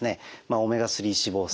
オメガ３脂肪酸。